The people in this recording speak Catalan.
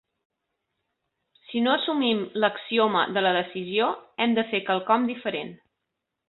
Si no assumim l"axioma de la decisió, hem de fer quelcom diferent.